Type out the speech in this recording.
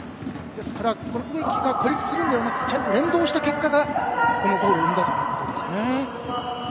ですから、植木が孤立するのではなく連動した結果がこのゴールを生んだということですね。